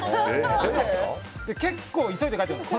結構、急いで帰っているんです。